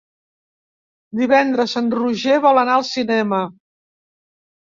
Divendres en Roger vol anar al cinema.